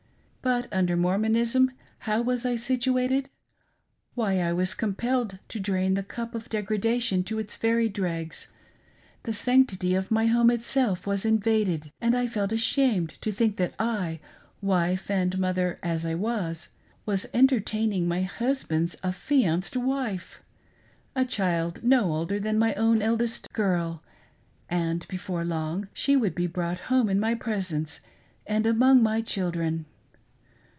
But, under Mormonism how was I situated ? Why, I was compelled to drain the cup of degradation to its very dregS' — the sanctity of my home itself was invaded, and I felt ashamed to think that I — wife and mother as I was — was entertaining my hus band's affianced "wife" (!)— a child no older than my own eldest girl ; and before long she would be brought home in my presence and among my children!